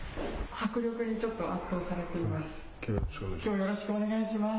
迫力にちょっと圧倒されています。